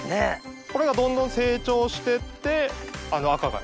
これがどんどん成長してってあの赤がなってくる。